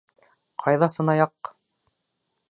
Ҡайҙа сынаяҡ!